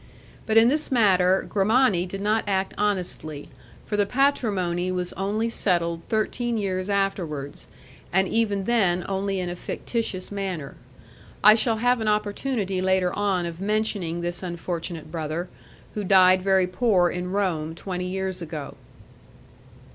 But in this matter Grimani did not act honestly, for the patrimony was only settled thirteen years afterwards, and even then only in a fictitious manner. I shall have an opportunity later on of mentioning this unfortunate brother, who died very poor in Rome twenty years ago.